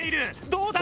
どうだ？